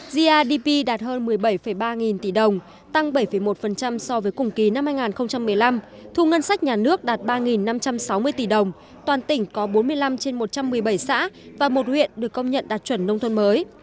grdp đạt hơn một mươi bảy ba nghìn tỷ đồng tăng bảy một so với cùng kỳ năm hai nghìn một mươi năm thu ngân sách nhà nước đạt ba năm trăm sáu mươi tỷ đồng toàn tỉnh có bốn mươi năm trên một trăm một mươi bảy xã và một huyện được công nhận đạt chuẩn nông thôn mới